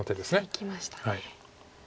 いきましたね。